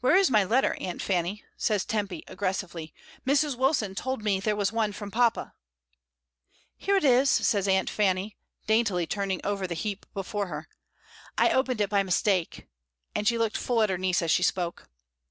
"Where is my letter, Aunt Fanny?" says Tempy, aggressively. "Mrs. Wilson told me there was one from papa." "Here it is," says Aunt Fanny, daintily turning EMPry HOUSES. 21 over the heap before her, "I opened it by mistake," and she looked full at her niece as she spoke.